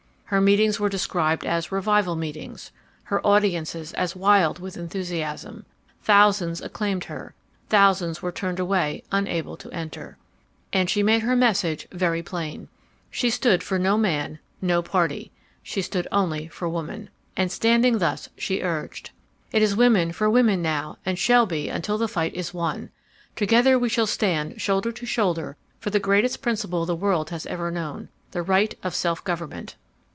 Her meetings were described as 'revival meetings,' her audiences as 'wild with enthusiasm.' Thousands acclaimed her, thousands were turned away unable to enter ... "And she made her message very plain. "She stood for no man, no party. She stood only for woman. And standing thus she urged: "'It is women for women now and shall be until the fight is won! Together we shall stand shoulder to shoulder for the greatest principle the world has ever known, the right of self government.